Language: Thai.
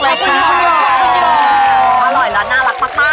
อร่อยแล้วน่ารักมากค่ะ